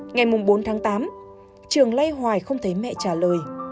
ngày bốn tháng tám trường lay hoài không thấy mẹ trả lời